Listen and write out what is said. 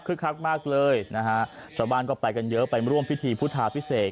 คือคักมากเลยนะฮะชาวบ้านก็ไปกันเยอะไปร่วมพิธีพุทธาพิเศษ